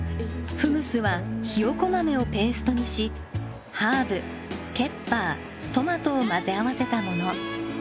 フムスはひよこ豆をペーストにしハーブケッパートマトを混ぜ合わせたもの。